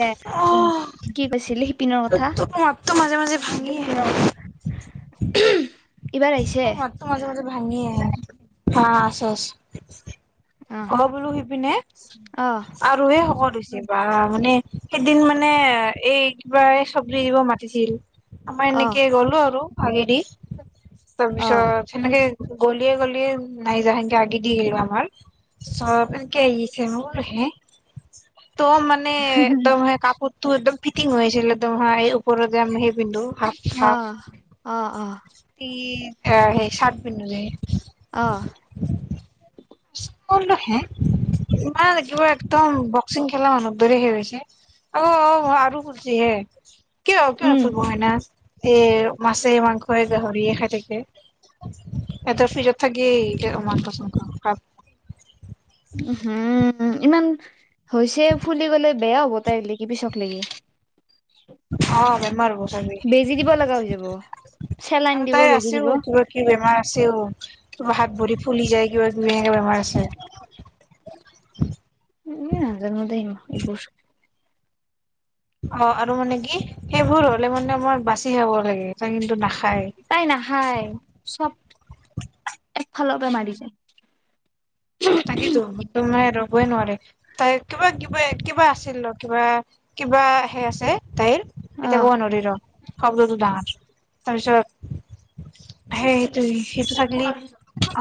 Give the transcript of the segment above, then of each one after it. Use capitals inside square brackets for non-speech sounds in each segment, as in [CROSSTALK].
দে আহ কি কৈছিলি শিপিনৰ কথা তোমাত মাজে মাজে ভাঙি আহে এইবাৰ আহিছে। তোৰ মাতটো মাজে মাজে ভাঙি আহে হা আছে আছে।। অ হ বোলো সি পিনে অ আৰুহে শকত হৈছে। বা মানে সেইদিন মানে এই কিবা এই চবজ ফ দিব মাতিছিল। আমা অ এনেক গ'লো আৰু আগেদি। অ তাৰপিছত চেনেকে গলিয়ে গলিয়ে নাই যা সেনকে আগি দি আহম আমাৰ চব এনেকে আহিছে মোৰ হে ত মানে একদম হয় কাপোৰটো একদম। ফিটিং হৈছিলে একদম হ এই উপৰত যোম কিন্তু হাফ অ হাফ অ অ সেই চাৰ্ট পিন্ধ অ স্কুল নহে ইমান দূৰত একদম। বক্সিং খেলা অনুদৰি হৈ গৈছে অ, অ আৰু ফুলছি হে কিয় কিয় ন উম ফুলব হয় না। এৰ মাছে মাংসই গাহৰিয়ে খাই থাকে। এ তাতে [UNINTELLIGIBLE] থাকেই মাংস চাংখ। হম। উম ইমান হৈছে ফুলি গলে বেয়া হ'ব তাই লেকি পিছক লেকি। অ বেমাৰ বতাবি বেজি দিব লগা হৈ যাব চেলাইন আৰু দিব তাই বেজি দিব আছেবিব কি বেমাৰ। ও কিব হাত ভৰি ফুলি যায় কিবা কিবি এনো বেমাৰ আছে। উ নাজানো দেই এইবোৰ। অ আৰু মানে কি সেইবোৰ হলে মানে আমাৰ বাচি খাব লাগে কিন্তু নাখা তাই নাখাই চব একফালৰ পৰা মাৰি যায়। তাকেটো তম আৰু কবই নোৱাৰে তাই কিবা কিবা কিবা আছিল ৰ কিবা কিবা সে আছে তাইৰ অ এতিয়া কব নোৱাৰে ৰ কাবজ যাও অ তাপিছত হেইটো ত হেইটো থাকিলে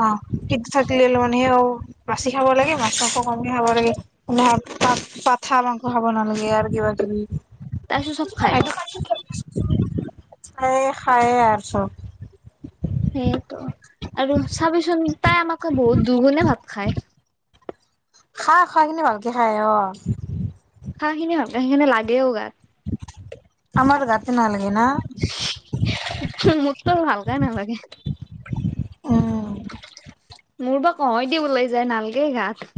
অ সেইটো থাকিলে লনি য়ে অ বাচি খাব লাগে মাছ মাংস কমি খাব লাগে পাঠ পাঠা মাংস খাব নালাগে আৰু কিবা কিবি তাৰপিছত চব খায় [UNINTELLIGIBLE] খায়ে খায় আৰু চব সেইটোৱে আৰু চাবিচোন তাই আমাক বুত দ দুলে ভাত খায় খা খাওক ন [UNINTELLIGIBLE] খা খিনি ভালকে সেখিনে লাগেও গাত আমাৰ গাততে নালাগে ন তৌ ভালকে নালাগে উম মোৰ বা কওঁয় দি ওলাই যায় নালগে গাত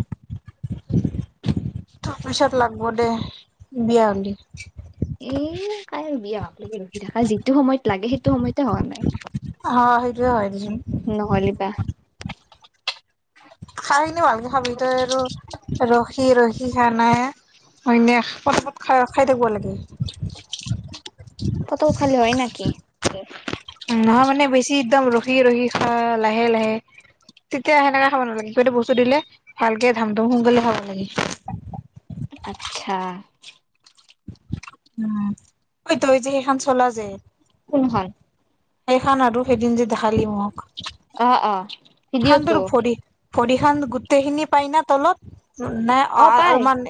তাৰ পিছত লাগব দেই বিয়া হলি এ কাই বিয়া হকলে ৰখি থকা যিটো সময়ত লাগে সেইটো সময়তে হোৱা নাই অ সেই হয় পিচে নহ'লে বা খাই খিনি ভালকে খাবি তই আৰু ৰস ৰখি ৰখি খাৱ না হইনে পতা পত খ খাই থাকিব লাগে পত খালী হয় না অকে নহয় মানে বেছি একদম ৰখি ৰখি খোৱা লাহে লাহে তেতিয়া সেনেকা খাব নালাগে কিবা এটা বস্তু দিলে ভালকে ধাম ধুম সোনকালে খাব লাগে ছা উম অ তই যে সেইখন চলা যে কোনহল সেই খান আৰু সেইদিন যে দেখালি মক অ অ ভিডিঅ'টো সান্দৰ ফৰি ভৰিহান গোটেইখিনি পাই ন তলত নাই অ অলমান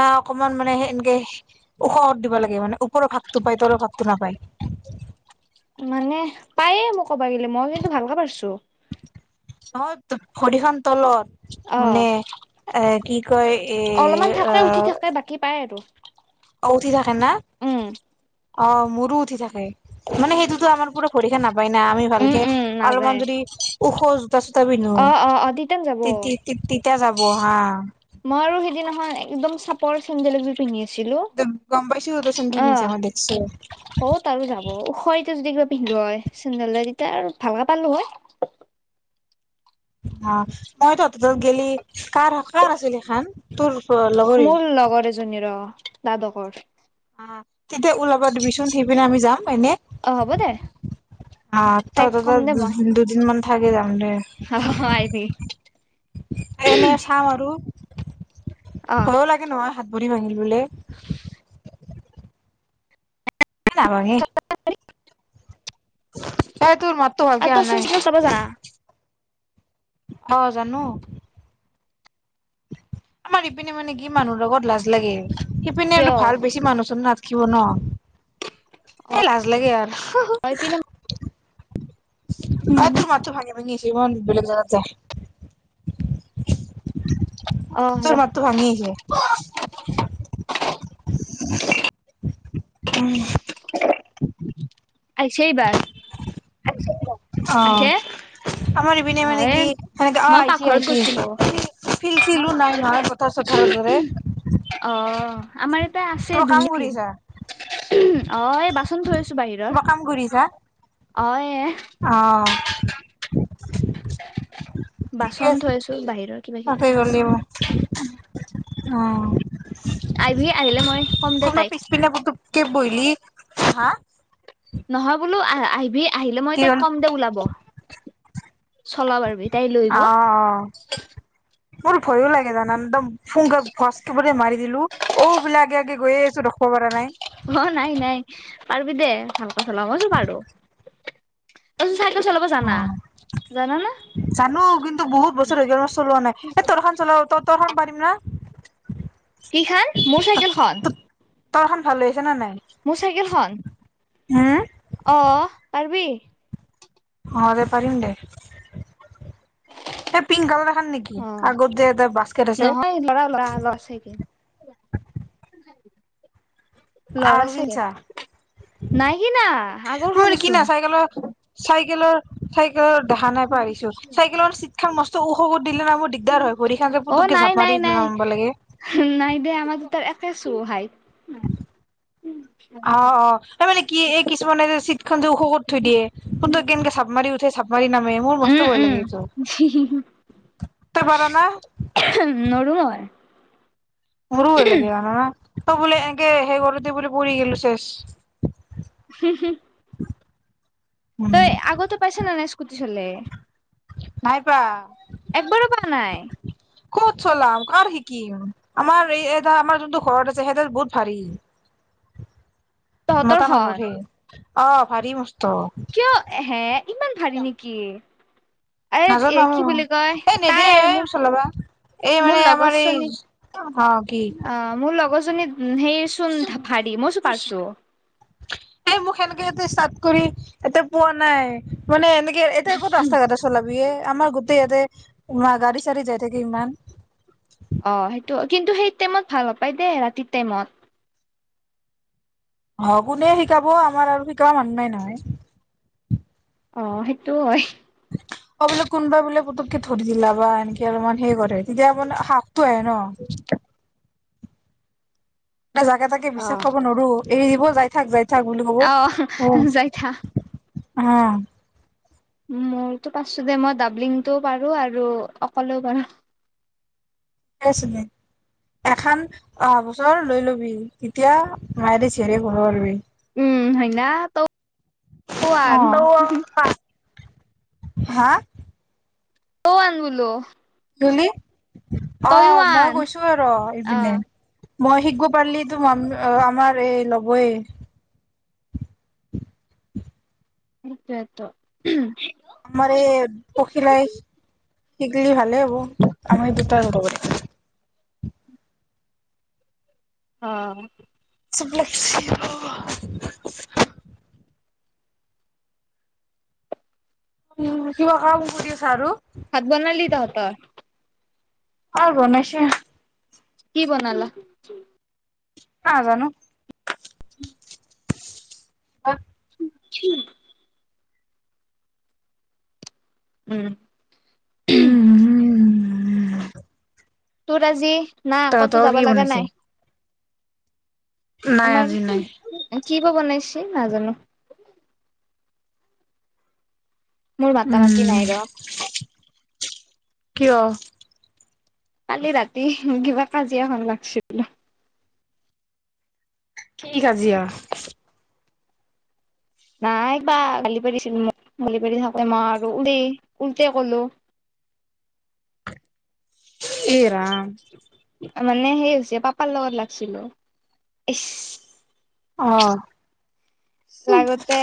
নাই অকমান মানে সেই তেকে ওশাহত দিব লাগে মানে ওপৰৰ ভাপটো পায় তৰ ভাপটো নাপায় মানে পায়ে মোক ক'বা গলে মই কিন্তু ভালকে পাৰছো অহত ভৰিখন তলত অ মানে এ কি কয় এ অলপমান থাকে উঠি থাকে অহ বাকী পাই আৰু অ উঠি থাকে ন উম অ মোৰো উঠি থাকে মানে সেইটোতো আমাৰ পুৰা ভৰিখান নাপায় না আমি উম ভালকে উম নাযায় অলপমান যদি ওখ জোতা চোতা পিন্ধো অ অ অ তিতান তিতি তেতিয়া যাব। বহা মইো সেইদিনাখন একদম চাপৰ চেন্দেল এজোৰ পিন্ধি আছ। ছিলো গম পাইছো তই চেন্দেল অ পিন্ধছা মই দেখছো অ ত আৰু যাব ওখইত তে যদি কিবা পিন্ধো হয় চেন্দেল তেতিয়া আৰু ভালকে পালো হয়। অ তো ত গেলি কাৰ কাৰ আছিল সেইখন তোৰ লগৰীৰ দ্বাদকৰ তেতিয়া উলব। দিবিচোন সেই পিনে আমি যাম এনে, অ হ'ব দে আহ ত তাইক ততে কম দে দু মই দুদিন মান থাকি যাম। দে অ আহিবি এনে চাম আৰু অ ভয়ও লাগে নহয় হাত ভৰি ভাঙিল বোলে? নাভাঙে। এ তোৰ মাততো [INAUDIBLE] ভালকে আৰু অহা ত নাই চোন চাব জানা। অ জানো। আমাৰ ইপিনে মানে কি মানুহৰ লগত লাজ। লাগে সেইপিনে কিয় আৰু ভাল বেছি মানুহ চানুহ নাথ কিয় ন? এ লাজ লাগে আৰ। তই পিনে হয় উম টো মাতটো ভাঙি ভাঙি আহিছে। যিমান বেলেগ যায়। অ ৰ তোৰ মাতটো ভাঙি আহিছে। [UNINTELLIGIBLE] আহিছে এইবাৰ। অ আহিছে আমাৰ ইপিনে অ মানে এ কি সেনেকা মই আহিছে পাকঘৰত আহিছে, গৈছিলো ফিল চিলো নাই নহয় পথাৰ চথাৰ দৰে। অ আমাৰ আছে কিবা কাম ধুনীয়া ফিল কৰিছা অই বাচ [INAUDIBLE] কিবা কাম কৰিছা? অই এ অ ঠিকে বাচন আছে থৈছো বাহিৰৰ কিবা তাতে কিবি গ'লে আছে। অ আহিবি আহিলে মই কম দে কব তাইক পিছপিনে পুতোক কে বৈলি। হা নহয় বোলো আঁহ আহিবি আহিলে মই কি তাইক হ'ল কম দে ওলাব, চলাব পাৰিব তাই লৈ আহিব অ মোৰ ভয়ো লাগে জান একদম ফুংগা ফচক মাৰি দিলো ঔ বোলো আগে আগে গৈ আছো ক'ব পৰা নাই অঁ নাই নাই পাৰিবি দে ভাল ক চলওঁ মইছো পাৰো চাইকেল চলাব জানা অঁ জানা না জানো কিন্তু বহুত বছৰ হৈ গল মই চলোৱা নাই এ তৰখন চলাব ত তৰখন পাৰিম না কি খন মোৰ চাইকেল খন তলখন ভাল লাগিছে মোৰ চাইকেলখন হুম অঁ পাৰিবি অঁ দে পাৰিম দে এই পিংক কালাৰ দেখাৰ নেকি অ আগৰ যে এ বাস্কেট আছে নহয় ল'ৰা ল'ৰা ল'ৰা চাইকেল ল'ৰা আৰু চাইকেল কিছা নাই কিনা আগৰ ম কিনা খনেচোন চাইকেলৰ চাইকেলৰ চাইকেলত দেখা নাই পাইিছো চাইকেলৰ চীট খা মস্ত ওখ দিলে না মোৰ দিগদাৰ হয় ভৰিখন যে অঁ পুতুককে নাই, জাপ মাৰি নাই, নাই, নামাব লাগে নাই দে আমাৰ তাৰ ছো হয়াই অঁ, অঁ, ত মানে কি এই কিছুমানে যে চিট খ যে ওখখত থৈ দিয়ে সত কেনেকে চাপ মাৰি উঠ চ ভৰি নামে মোৰ উম মস্ত ভই উম লাগে ত ই পাৰ না নৰো মই মোৰো ভয় লাগে জানা ত বোলে এনেকে সেই গলোতে বুলি পু গলো চেষ উম তই আগততে পাইছ নাই স্কুটি লে নাই পা একবাৰ নাই ক'ত চলাম কাৰ শিকিম আমাৰ এই এ আমাৰ যোনটো ঘৰত আছে সেইটো বহুত ভাৰী তহঁতৰ মতা খন মানুহেই অঁ ভাৰী মস্ত কিয় হে ইমান ভাৰী নেকি এ এ নাজানো কি বুলি কয় এই তাই নিদিয়ে এই মোৰ চলাবা এই মোৰ মানে আমাৰ এই লগৰজনী অ কি অ মোৰ লগৰজনী সেই চোন ভাৰী মই চো পাৰছো খেলকেতে চাট কৰি ইতে পোৱা নাই মানে এনে এতিয়া ক'ত ৰাস্ত ঘাটট চলাবি আমাৰ ইয়াতে গাড়ী চাৰি যাই থাকে ইমান অ সেইটো কিন্তু সেই টাইমত ভাল নাপায় দেই ৰাতি টাইমত অ কোনে শিকাব আমাৰ আৰু শিকা মানুহে নহয় অ সেইটো হয় অ বোলে কোনবা বোলে পুকে ধৰি দিলা বা এনেকে অলপমান সেই তেতিয়া মান শাকটো আহ ন জাগে তাকে বিশ্বাস কৰিব নোৱাৰো এৰি দব যায় থাক যায় আহ যাই থা আহ মোৰতো পাৰছো দে মই ডাবলিংটোও পাৰো আৰু অকলেও পাৰো আ এখন অহ বছৰ লৈ লবি তেতিয়া মায়ে দে য়ৰে ঘৰ উবি উম হয়না ত অ' হা ক আন গুলো হলি অ মই আন কৈছো ৰ অ ইপিনে মই শিকিব পাৰিলি তো আমাৰ এই লবয় স্প আতো আমাৰ পখিলাই শিকলি ভাল ভাল হব আমি দুটা ৰ কৰি অ শুভ লক্ষ উ কিবা কাম কৰি আছা আৰু হাত বাৰ লি তহঁতৰ অ বনাইছে কি বনালা হানো [INAUDIBLE] অ উ উম উম উম উম তোৰ আজি না ক'তো যাব লগা বনাইছে? নাই নাই ম আজি কি নাই [UNINTELLIGIBLE] কি বা বনাইছে নাজানো মোৰ মাতা মাতি উম নাই ৰ কিয় কালি ৰাতি কিবা কাজিয়াখন লাগছে বোলে কি কাজিয়া নাই বা গালি পাৰিছিল মোক গালি পাৰি থাকোঁতে মই আৰু উৰি উলটাই কলো এ ৰাম মানে হেই হৈছে পাপাৰ লগত লাগিছিলো এচ আহ লাগোতে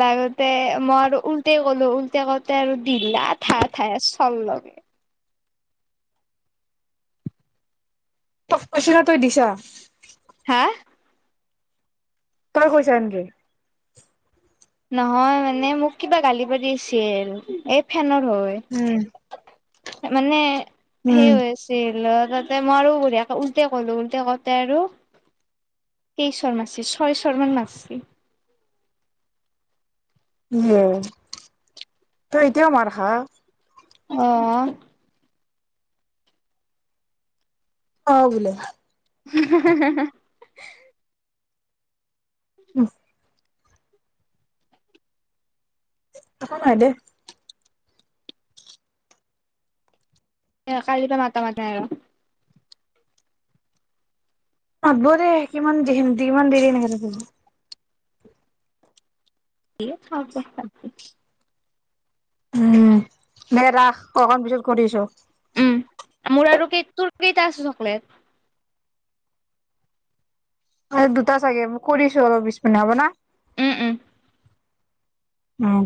লাগোতে মই আৰু উল্টা ক'লো উল্টা কওঁতে আৰু দিলা ঠায় ঠায় চৰ লগে ত কৈছনা তই দিছা হা তই কৈছা এনকে নহয় মানে মোক কিবা গালি পাৰি আছিল এই ফেনত হয় উম মানে উম সেই হৈ আছিল তাতে মই আৰু বঢ়িয়ে উল্টে কলো উল্টে কঁওতে আৰু কেইশৰ মাৰছি ছয়শৰ মান মাৰছি এ তই এতিয়াও মাৰ খাৱ আহ আহ বোলে হোমহ হোম হোম উম একো নাই দে এ কালি পা মাতা মাতা আৰু মাতব দে কিমান যিমান দেৰি থ [UNINTELLIGIBLE] এ থ থ থ উম দে ৰাস অকমান পিছত কৰিছোঁ উম মোৰ আৰু কেই তোৰ কেইটা আছে চকলেট আৰু দুটা চাগে কৰিছোঁ আৰু বিশ মিনিট হ'ব না উম উম অ